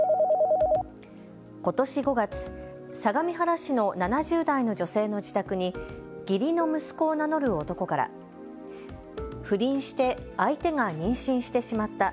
ことし５月、相模原市の７０代の女性の自宅に義理の息子を名乗る男から不倫して相手が妊娠してしまった。